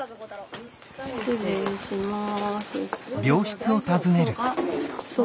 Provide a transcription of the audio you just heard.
失礼します。